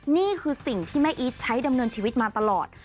นี่คือสิ่งที่แม่อีทใช้ดำเนินชีวิตมาตลอด